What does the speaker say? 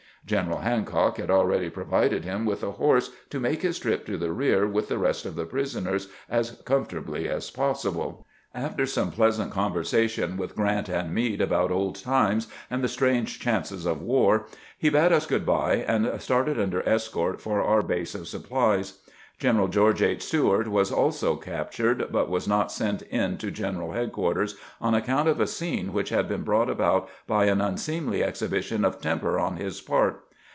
General Hancock had already provided him with a horse to make his trip to the rear with the rest of the prisoners as com fortably as possible. After some pleasant conversation "''' i^C'^i .^^ V' t t. ■^C<> l, >..'^ ^^^^•T/i.^^sv v^ «/«^;^^^^^ A«^^ ^^ TWO DISTINGUISHED PEISONEES 105 with Grant and Meade about old times and the strange chances of war, he bade ns good by, and started under escort for our base of supplies. General George H. Steuart was also captured, but was not sent in to gen eral headquarters on account of a scene which had been brought about by an unseemly exhibition of temper on his part.